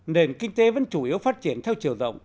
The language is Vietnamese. nền kinh tế vẫn chủ yếu phát triển theo chiều rộng